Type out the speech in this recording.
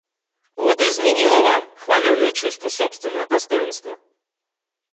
Вот и изменило вам хваленое чувство собственного достоинства.